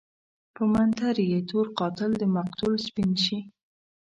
په منتر يې تور قاتل دمقتل سپين شي